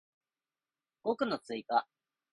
語句の追加